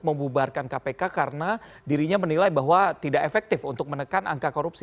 membubarkan kpk karena dirinya menilai bahwa tidak efektif untuk menekan angka korupsi